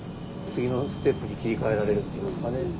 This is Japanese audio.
次のステップに切り替えられるっていうんですかね。